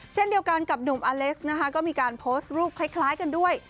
เช่นเดียวกันกับหนุ่มอเล็กซ์นะคะก็มีการโพสต์รูปคล้ายกันด้วย